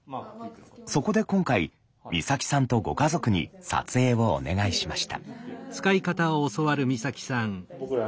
そこで今回光沙季さんとご家族に撮影をお願いしました。